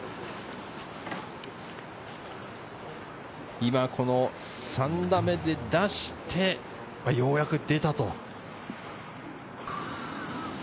今、この３打目で出して、ようやく出たと。